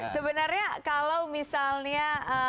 sebenarnya kalau misalnya